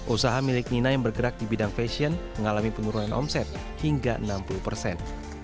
usaha milik nina yang bergerak di bidang fashion mengalami penurunan omset hingga enam puluh persen